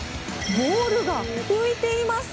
ボールが浮いています！